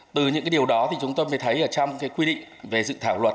từ những cái điều đó thì chúng tôi mới thấy ở trong cái quy định về dự thảo luật